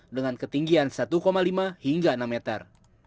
dengan ketinggian satu lima hingga enam meter